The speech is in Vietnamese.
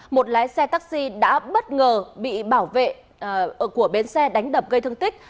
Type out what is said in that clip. một lái xe taxi đã bất ngờ bị bảo vệ của bến xe đánh đập gây thương tích